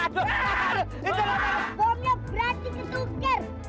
bomnya berarti ketuker